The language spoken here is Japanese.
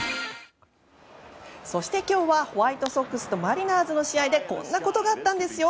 そして今日はホワイトソックスとマリナーズの試合でこんなことがあったんですよ。